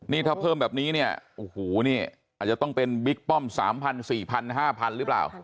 นี่ถ้าเพิ่มแบบนี้เนี่ยโอ้โหนี่อาจจะต้องเป็นบิ๊กป้อม๓๐๐๔๐๐๕๐๐หรือเปล่า